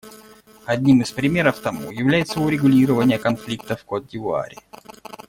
Одним из примеров тому является урегулирование конфликта в Котд'Ивуаре.